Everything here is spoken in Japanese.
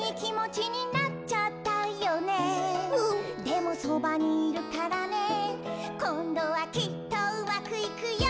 「でもそばにいるからねこんどはきっとうまくいくよ！」